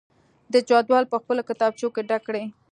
د جدول په خپلو کتابچو کې ډک کړئ.